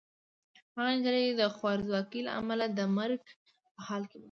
هغه نجلۍ د خوارځواکۍ له امله د مرګ په حال کې وه.